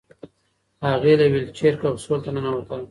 هغې له ویلچیر کپسول ته ننوتله.